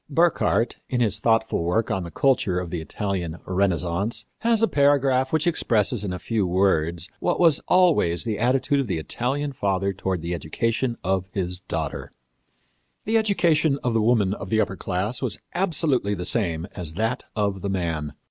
Burckhardt, in his thoughtful work on the culture of the Italian Renaissance, has a paragraph which expresses, in a few words, what was always the attitude of the Italian father toward the education of his daughter. "The education of the woman of the upper class was absolutely the same as that of the man.